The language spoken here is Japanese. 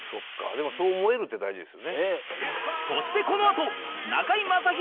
でもそう思えるって大事ですよね。